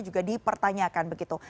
juga dipertanyakan begitu